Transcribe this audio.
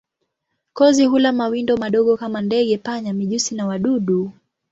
Kozi hula mawindo madogo kama ndege, panya, mijusi na wadudu.